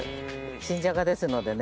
新じゃがですのでね。